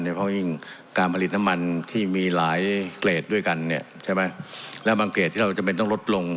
เพราะฉะนั้นการผลิตน้ำมันที่มีหลายเกรดด้วยกันและบางเกรดที่เราจำเป็นต้องลดลง